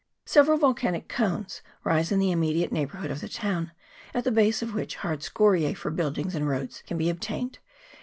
Several volcanic cones rise in the immediate neigh bourhood of the town, at the base of which hard scoriae for buildings and roads can be obtained, and 280 TAMAKI INLET. [PART II.